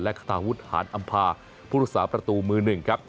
คาทาวุฒิหารอำภาผู้รักษาประตูมือหนึ่งครับ